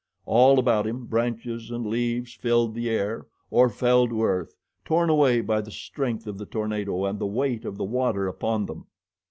All about him branches and leaves filled the air or fell to earth, torn away by the strength of the tornado and the weight of the water upon them.